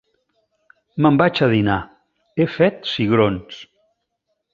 Me'n vaig a dinar; he fet cigrons.